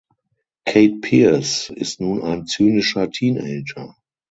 Kate Pierce ist nun ein zynischer Teenager.